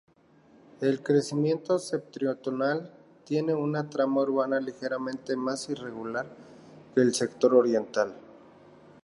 El crecimiento septentrional tiene una trama urbana ligeramente más irregular que el sector oriental.